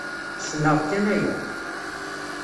Snneɣ kan aya.